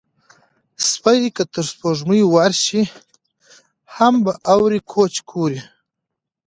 سپى که تر سپوږمۍ ورشي، هم به اوري کوچ کورې